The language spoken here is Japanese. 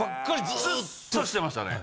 ずっとしてましたね。